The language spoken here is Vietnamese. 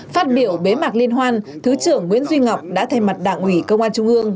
phát biểu bế mạc liên hoan thứ trưởng nguyễn duy ngọc đã thay mặt đảng ủy công an trung ương